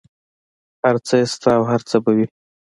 هر څه یې شته او هر څه به وي.